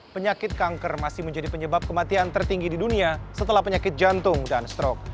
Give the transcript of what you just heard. penyakit kanker masih menjadi penyebab kematian tertinggi di dunia setelah penyakit jantung dan strok